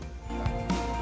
tim liputan cnn indonesia